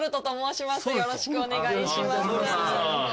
よろしくお願いします。